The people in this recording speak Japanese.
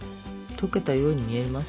溶けたように見えますけど。